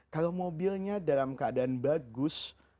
kalau mobilnya dalam keadaan bagus